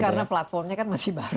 karena platformnya kan masih baru